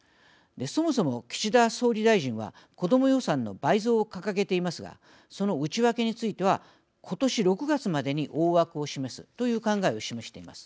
そもそも岸田総理大臣はこども予算の倍増を掲げていますがその内訳については今年６月までに大枠を示すという考えを示しています。